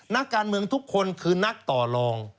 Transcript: นักการเมืองทุกคนคือนักต่อลอง